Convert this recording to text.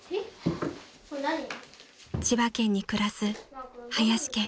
［千葉県に暮らす林家］